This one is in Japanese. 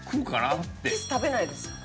えっキス食べないですか？